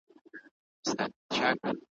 هغه کسان چې د تاریخ